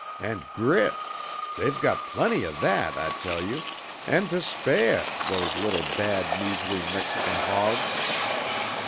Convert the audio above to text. And grit! They've got plenty of that, I tell you, and to spah, those little bad measly Mexican hawgs.